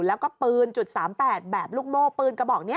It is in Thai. แล้วก็ปืน๓๘แบบลูกโม่ปืนกระบอกนี้